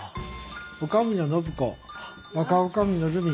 女将の修子若女将の瑠実。